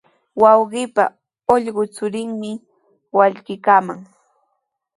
Wawqiipa ullqu churinmi wallkiykaaman.